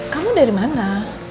kamu dari mana